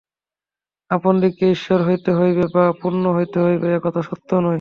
আপনাদিগকে ঈশ্বর হইতে হইবে বা পূর্ণ হইতে হইবে, এ কথা সত্য নয়।